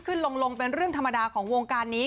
ขึ้นลงเป็นเรื่องธรรมดาของวงการนี้